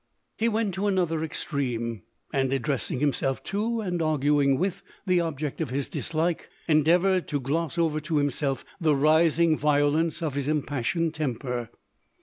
He went to another ex treme, and addressing himself to, and arguing with, the object of his dislike, endeavoured to "•loss over to himself the rising violence of his impassioned temper.